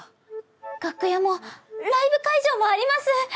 楽屋もライブ会場もあります！